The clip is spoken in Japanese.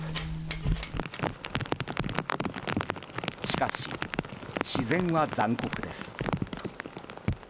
しかし、自然は残酷です。